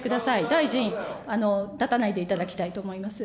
大臣、立たないでいただきたいと思います。